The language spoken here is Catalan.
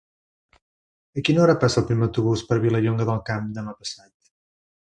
A quina hora passa el primer autobús per Vilallonga del Camp demà passat?